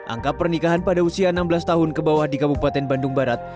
angka pernikahan pada usia enam belas tahun ke bawah di kabupaten bandung barat